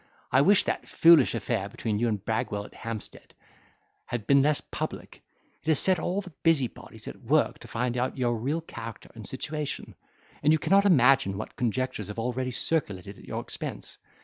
I wish that foolish affair between you and Bragwell at Hampstead had been less public. It has set all the busybodies at work to find out your real character and situation; and you cannot imagine what conjectures have already circulated at your expense.